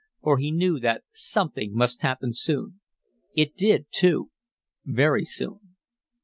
For he knew that something must happen soon. It did, too very soon.